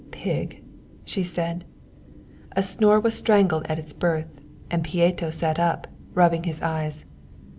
"Pig," she said. A snore was strangled at its birth, and Pieto sat up, rubbing his eyes.